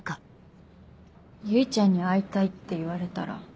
唯ちゃんに「会いたい」って言われたら。